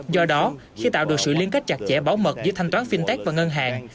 do đó khi tạo được sự liên kết chặt chẽ bảo mật giữa thanh toán fintech và ngân hàng